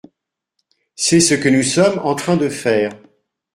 C’est ce que nous sommes en train de faire.